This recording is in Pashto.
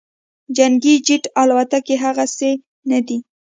جنګي جیټ الوتکې هغسې نه دي